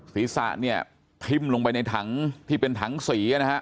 ศีรษะเนี่ยทิ้มลงไปในถังที่เป็นถังสีนะฮะ